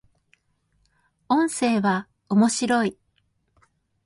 音声は、面白い